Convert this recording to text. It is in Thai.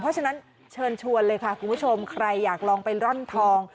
เพราะฉะนั้นเชิญชวนเลยค่ะคุณผู้ชมใครอยากลองไปร่อนทอง